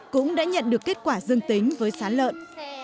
cũng đã nhận được kết quả dương tính với sán lợn